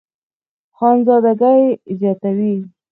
خانزادګۍ زياتوي